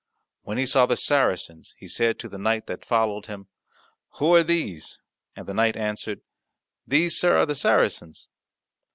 When he saw the Saracens, he said to the knight that followed him, "Who are these?" And the knight answered, "These, sir, are the Saracens."